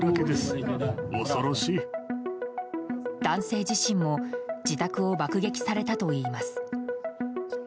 男性自身も自宅を爆撃されたといいます。